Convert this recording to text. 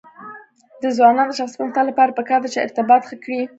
د ځوانانو د شخصي پرمختګ لپاره پکار ده چې ارتباط ښه کړي.